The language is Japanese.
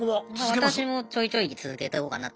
私もちょいちょい続けてこうかなと。